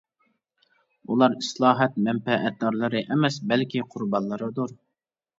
ئۇلار ئىسلاھات مەنپەئەتدارلىرى ئەمەس، بەلكى قۇربانلىرىدۇر.